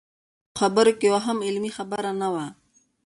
د هغه په خبرو کې یوه هم علمي خبره نه وه.